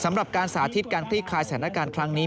สำหรับการสาธิตการคลี่คลายสถานการณ์ครั้งนี้